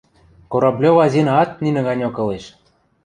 Кораблева Зинаат нинӹ ганьок ылеш.